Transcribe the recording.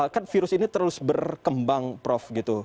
kan virus ini terus berkembang prof gitu